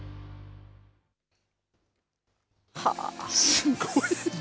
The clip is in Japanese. すごいね。